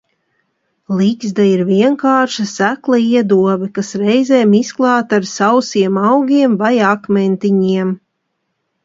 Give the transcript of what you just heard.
Ligzda ir vienkārša, sekla iedobe, kas reizēm izklāta ar sausiem augiem vai akmentiņiem.